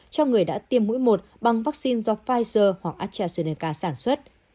cho người đã tiêm mũi một bằng vaccine do pfizer hoặc astrazeneca sản xuất